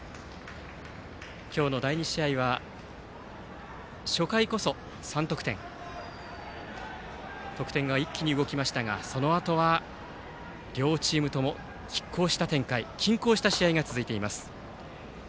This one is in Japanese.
今日の第２試合は初回こそ３得点と得点が一気に動きましたがそのあとは両チームともきっ抗した展開均衡した試合が続きます。